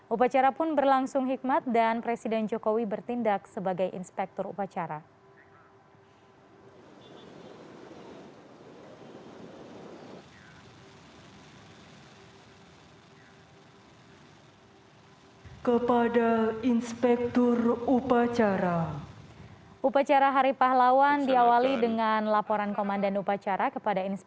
upacara pun berlangsung hikmat dan presiden jokowi bertindak sebagai inspektur upacara